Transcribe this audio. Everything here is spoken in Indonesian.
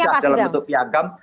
dan sudah dalam bentuk piagam